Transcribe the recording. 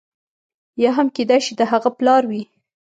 یا هم کېدای شي د هغه پلار وي.